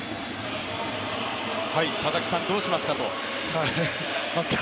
佐々木さん、どうしますかと。